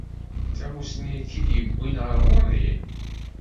D tamussni i k-id-yewwin ar ɣur-i?